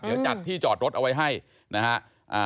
เดี๋ยวจัดที่จอดรถเอาไว้ให้นะฮะ